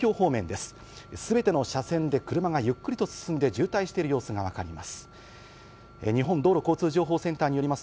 すべての車線で車がゆっくりと進んで、渋滞している様子が分かります。